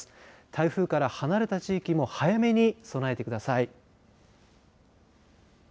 台風から離れた地域も早めに備えてください。